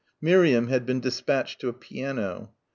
Miriam had been despatched to a piano.